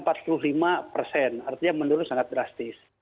artinya menurun sangat drastis